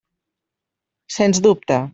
Sens dubte.